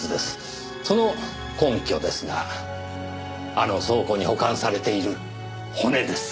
その根拠ですがあの倉庫に保管されている骨です。